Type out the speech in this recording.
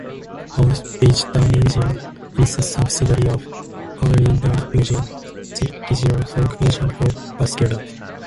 Hol Bygdamuseum is a subsidiary of Hallingdal Museum, the regional folk museum for Buskerud.